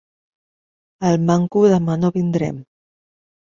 Al manco demà no vindrem.